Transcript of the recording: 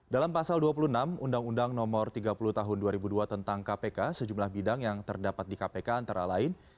dalam pasal dua puluh enam undang undang nomor tiga puluh tahun dua ribu dua tentang kpk sejumlah bidang yang terdapat di kpk antara lain